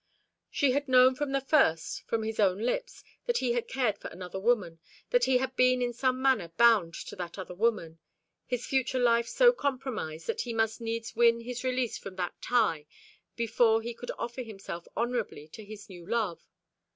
She had known from the first, from his own lips, that he had cared for another woman, that he had been in some manner bound to that other woman his future life so compromised that he must needs win his release from that tie before he could offer himself honourably to his new love.